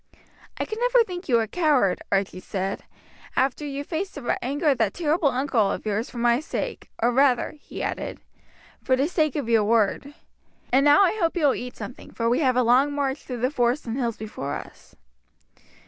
"I could never think you a coward," Archie said, "after you faced the anger of that terrible uncle of yours for my sake; or rather," he added, "for the sake of your word. And now I hope you will eat something, for we have a long march through the forest and hills before us."